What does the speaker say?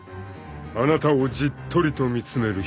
［あなたをじっとりと見つめる瞳］